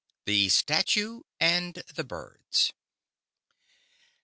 THE STATUE AND THE BIRDS.